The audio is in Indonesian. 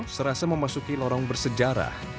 serasa memasuki lorong bersejarah